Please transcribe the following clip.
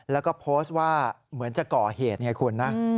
แล้วก็โพสต์ว่าเหมือนจะก่อเหตุไงคุณนะ